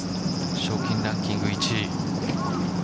賞金ランキング１位。